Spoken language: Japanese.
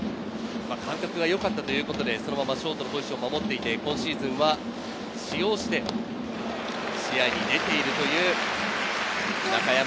吉川尚輝のグラブを感覚がよかったということでそのままショートを守っていて、今シーズンは使用して試合に出ているという中山